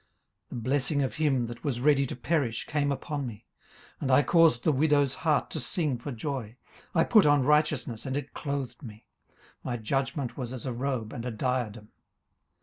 18:029:013 The blessing of him that was ready to perish came upon me: and I caused the widow's heart to sing for joy. 18:029:014 I put on righteousness, and it clothed me: my judgment was as a robe and a diadem.